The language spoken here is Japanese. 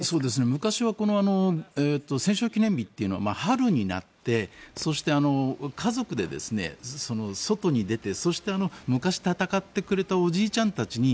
昔は戦勝記念日は春になってそして、家族で外に出てそして、昔、戦ってくれたおじいちゃんたちに